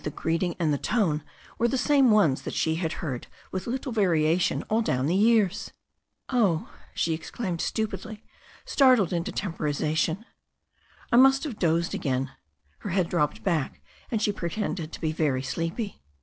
vci"^ ^\A ^^ 343 344 THE STORY OF A NEW ZEALAND RIVER tone were the same ones that she had heard with little varia tion all down the years. "Oh," she exclaimed stupidly, startled into temporization. "I must have dozed again." Her head dropped back, and she pretended to be very sleepy.